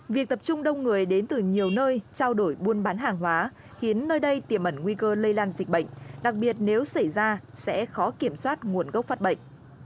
việc tập trung đông người đến từ nhiều nơi trao đổi buôn bán hàng hóa khiến nơi đây tiềm ẩn nguy cơ lây lan dịch bệnh đặc biệt nếu xảy ra sẽ khó kiểm soát nguồn gốc phát bệnh